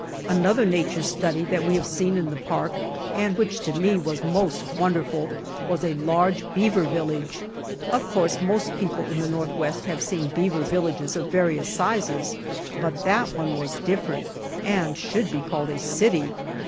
Another nature study that we have seen in the park, and which, to me, was most wonderful, was a large beaver village. Of course most people of the Northwest have seen beaver villages of various sizes, but that one was different, and should be called a city.